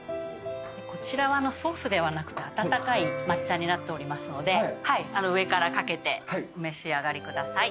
こちらはソースではなくて温かい抹茶になっておりますので上から掛けてお召し上がりください。